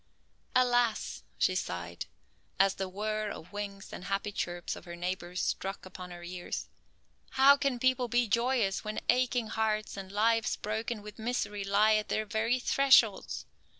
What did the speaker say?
"Alas," she sighed, as the whirr of wings and happy chirps of her neighbors struck upon her ears, "how can people be joyous when aching hearts and lives broken with misery lie at their very thresholds?